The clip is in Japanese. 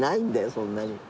そんなに。